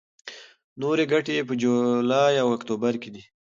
نورې ګڼې په جولای او اکتوبر کې دي.